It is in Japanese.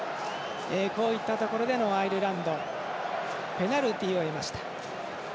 こういったところでアイルランドペナルティを得ました。